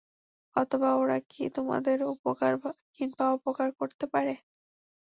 অথবা ওরা কি তোমাদের উপকার কিংবা অপকার করতে পারে?